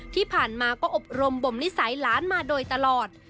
ที่ผ่านมาก็อบรมบ่มนิสัยหลานมาโดยตลอด